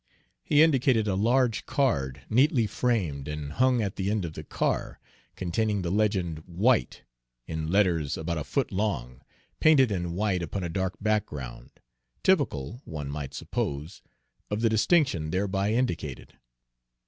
He indicated a large card neatly framed and hung at the end of the car, containing the legend, "White," in letters about a foot long, painted in white upon a dark background, typical, one might suppose, of the distinction thereby indicated.